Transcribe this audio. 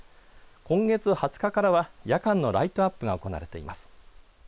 今月２０日からは夜間のライトアップが行われています。